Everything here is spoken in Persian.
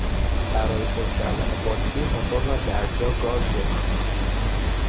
برای پر کردن باتری موتور را در جا گاز بده.